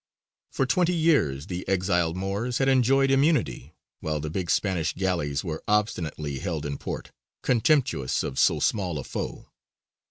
For twenty years the exiled Moors had enjoyed immunity, while the big Spanish galleys were obstinately held in port, contemptuous of so small a foe.